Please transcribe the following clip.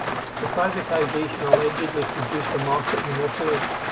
The privatisation allegedly produced a market monopoly.